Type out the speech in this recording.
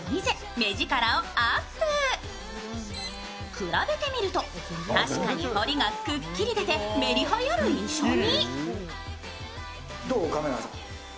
比べてみると、確かに彫りがくっきり出てメリハリある印象に。